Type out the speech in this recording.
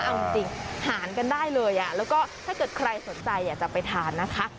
เอาจริงหารกันได้เลยแล้วก็ถ้าเกิดใครสนใจอยากจะไปทานนะคะ